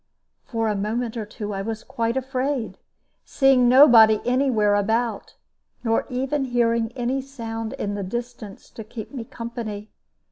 For a minute or two I was quite afraid, seeing nobody any where about, nor even hearing any sound in the distance to keep me company.